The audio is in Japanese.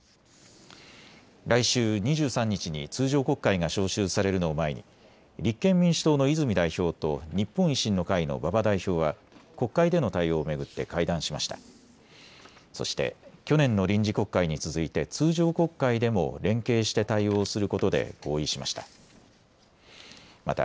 来週２３日に通常国会が召集されるのを前に立憲民主党の泉代表と日本維新の会の馬場代表は国会での対応を巡って会談しました。